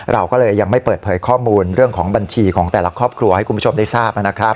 เราก็เลยยังไม่เปิดเผยข้อมูลเรื่องของบัญชีของแต่ละครอบครัวให้คุณผู้ชมได้ทราบนะครับ